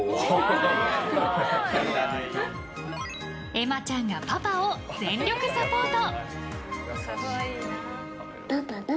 えまちゃんがパパを全力サポート！